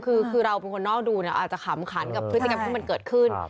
คือเราเป็นคนนอกดูเนี่ยอาจจะขำขันกับพฤติกรรมที่มันเกิดขึ้น